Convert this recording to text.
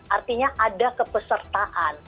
artinya ada kepesertaan